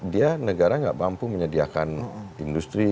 dia negara nggak mampu menyediakan industri